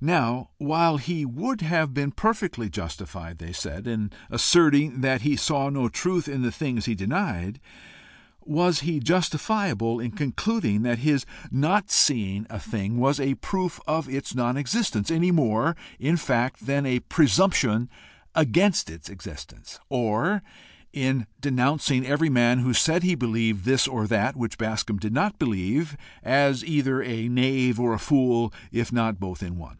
Now while he would have been perfectly justified, they said, in asserting that he saw no truth in the things he denied, was he justifiable in concluding that his not seeing a thing was a proof of its non existence anything more, in fact, than a presumption against its existence? or in denouncing every man who said he believed this or that which Bascombe did not believe, as either a knave or a fool, if not both in one?